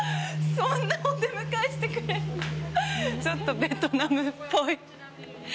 そんなお出迎えしてくれるのちょっとベトナムっぽい。